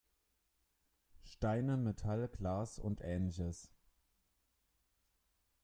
Steine, Metall, Glas und Ähnliches.